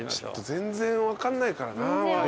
全然分かんないですね。